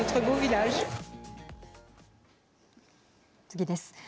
次です。